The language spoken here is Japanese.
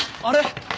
あれ？